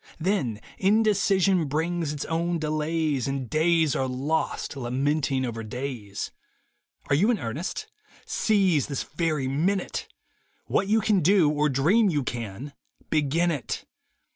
Then indecision brings its own delays And days are lost lamenting over days. Are you in earnest? Seize this very minute — What you can do, or dream you can, begin it.